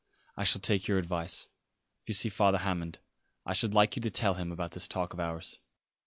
I shall take your advice. If you see Father Hammond I should like you to tell him about this talk of ours."